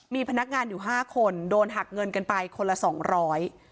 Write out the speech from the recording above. มีพนักงานอยู่ห้าคนโดนหักเงินกันไปคนละสองร้อย